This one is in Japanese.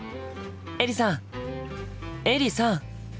エリさんエリさん！